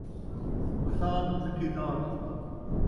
مسات مٹھی ذات